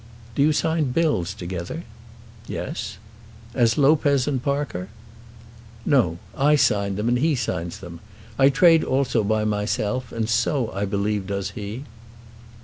"Do you sign bills together?" "Yes." "As Lopez and Parker?" "No. I sign them and he signs them. I trade also by myself, and so, I believe, does he."